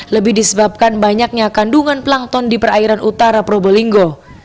lebih disebabkan banyaknya kandungan plankton di perairan utara probolinggo